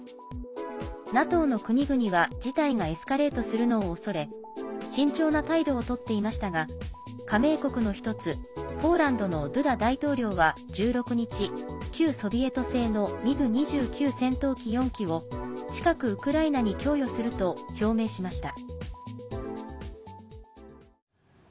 ＮＡＴＯの国々は、事態がエスカレートするのをおそれ慎重な態度をとっていましたが加盟国の一つポーランドのドゥダ大統領は１６日、旧ソビエト製のミグ２９戦闘機４機を近くウクライナに供与すると表明しました。